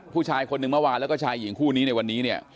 ผู้ชายคนหนึ่งเมื่อวานแล้วก็ชายหญิงคู่นี้ในวันนี้เนี่ย